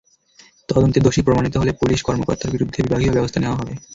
তদন্তে দোষী প্রমাণিত হলে পুলিশ কর্মকর্তার বিরুদ্ধে বিভাগীয় ব্যবস্থা নেওয়া হবে।